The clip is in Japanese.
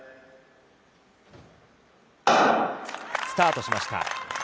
スタートしました。